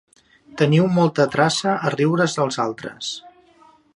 Teniu molta traça a riure-us dels altres.